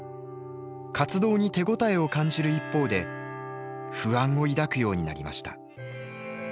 活動に手応えを感じる一方で不安を抱くようになりました。